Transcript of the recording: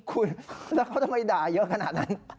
คุณแล้วเขาทำไมด่าเยอะขนาดนั้น